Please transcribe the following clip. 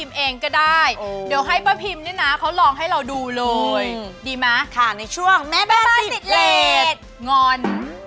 เมตต์บ้านติดเตรน